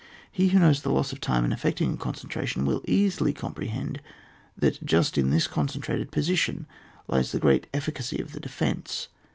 He who knows the loss of time in effecting a concentration, will easily comprehend that just in this concentrated position lies the great effi cacy of the defence.